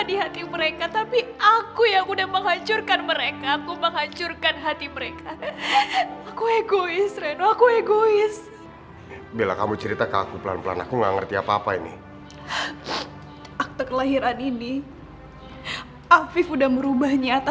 sampai jumpa di video selanjutnya